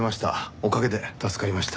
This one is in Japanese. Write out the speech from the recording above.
おかげで助かりました。